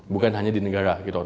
bukan hanya di negara gitu